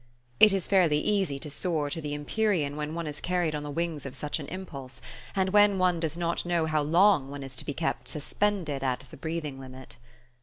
It is fairly easy to soar to the empyrean when one is carried on the wings of such an impulse, and when one does not know how long one is to be kept suspended at the breathing limit.